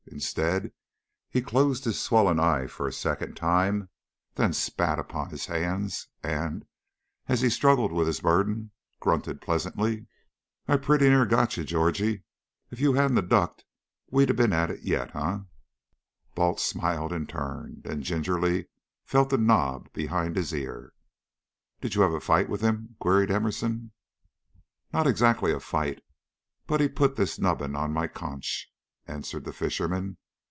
Instead, he closed his swollen eye for a second time, then spat upon his hands, and, as he struggled with his burden, grunted pleasantly: "I pretty near got you, Georgie. If you hadn't 'a' ducked, we'd 'a' been at it yet, eh?" Balt smiled in turn, then gingerly felt of the knob behind his ear. "Did you have a fight with him?" queried Emerson. "Not exactly a fight, but he put this nubbin on my conch," answered the fisherman.